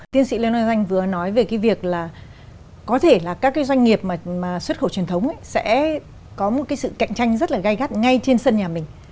tiến sĩ lê nguyên văn vừa nói về việc có thể các doanh nghiệp xuất khẩu truyền thống sẽ có một sự cạnh tranh rất gai gắt ngay trên sân nhà mình